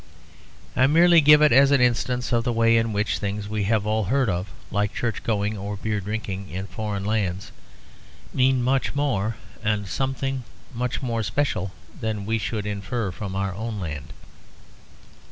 I merely give it as an instance of the way in which things we have all heard of, like church going or beer drinking, in foreign lands, mean much more, and something much more special, than we should infer from our own land.